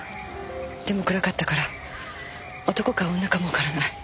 でも暗かったから男か女かもわからない。